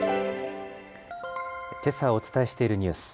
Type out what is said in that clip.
けさお伝えしているニュース。